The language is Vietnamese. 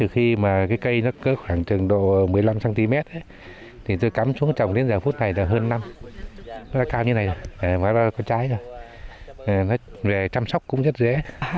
khoảng trường độ một mươi năm cm thì tôi cắm xuống trồng đến giờ phút này là hơn năm nó đã cao như này rồi nó đã có trái rồi nó về chăm sóc cũng rất dễ